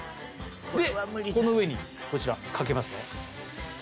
でこの上にこちらかけます。